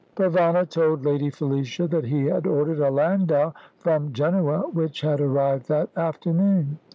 Provana told Lady Felicia that he had ordered a landau from Genoa, which had arrived that afternoon.